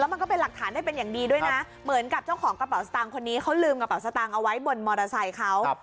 มันก็เป็นหลักฐานได้เป็นอย่างดีด้วยนะเหมือนกับเจ้าของกระเป๋าสตางค์คนนี้เขาลืมกระเป๋าสตางค์เอาไว้บนมอเตอร์ไซค์เขา